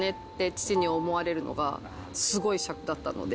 父に思われるのがすごいしゃくだったので。